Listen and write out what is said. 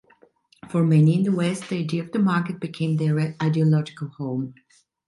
For many in the West, the idea of the market became their ideological home.